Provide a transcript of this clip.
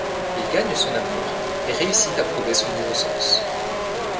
Il gagne son amour et réussit à prouver son innocence.